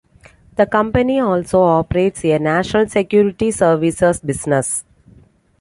The company also operates a "National Security Services" business.